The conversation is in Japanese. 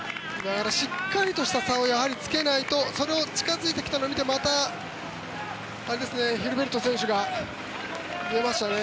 しっかりとした差をつけないとそれを近付いてきたのを見てまたヒルベルト選手が出ましたね。